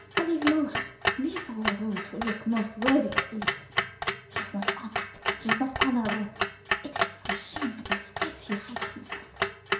Believe no one least of all those who look most worthy of belief. He is not honest; he is not honorable. It is from shame and disgrace that he hides himself.